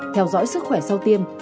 theo dõi sức khỏe sau tiêm